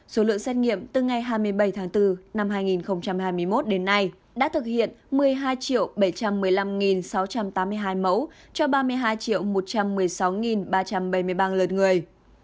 số lượng xét nghiệm từ ngày hai mươi bảy tháng bốn năm hai nghìn hai mươi một đến nay đã thực hiện một mươi hai bảy trăm một mươi năm sáu trăm tám mươi hai mẫu cho ba mươi hai một trăm một mươi sáu ba trăm bảy mươi ba lượt người